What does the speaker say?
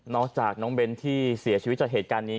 จากน้องเบ้นที่เสียชีวิตจากเหตุการณ์นี้